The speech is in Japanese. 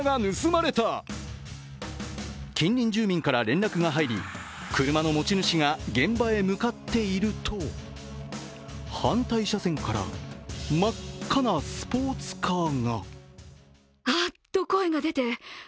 近隣住民から連絡が入り車の持ち主が現場へ向かっていると反対車線から真っ赤なスポーツカーが。